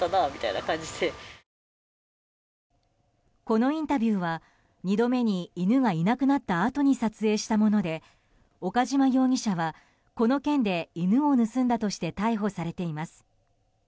このインタビューは２度目に犬がいなくなったあとに撮影したもので、岡島容疑者はこの件で犬を盗んだとして逮捕されています。